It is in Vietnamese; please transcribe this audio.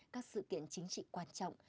các sự kiện chính trị quan trọng